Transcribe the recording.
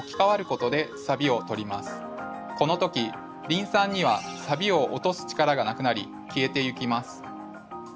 この時リン酸にはサビを落とす力がなくなり消えていきます。